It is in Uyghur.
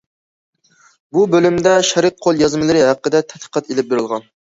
بۇ بۆلۈمدە شەرق قول يازمىلىرى ھەققىدە تەتقىقات ئېلىپ بېرىلغان.